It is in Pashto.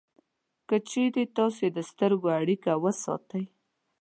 که چېرې تاسې د سترګو اړیکه وساتئ